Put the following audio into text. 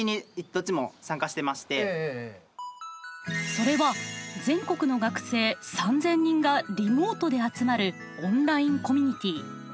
それは全国の学生３，０００人がリモートで集まるオンラインコミュニティ。